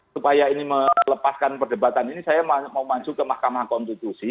supaya ini melepaskan perdebatan ini saya mau maju ke mahkamah konstitusi